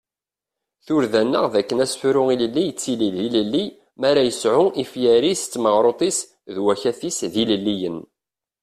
Turda-nneɣ d akken asefru ilelli yettili d ilelli mi ara ad yesɛu ifyar-is d tmaɣrut-is d wakat-is d ilelliyen.